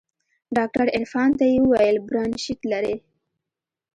ډاکتر عرفان ته يې وويل برانشيت لري.